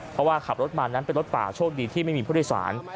เพราะว่าขับรถมานั้นเป็นรถป่าโชคดีที่ไม่มีผู้โดยสาร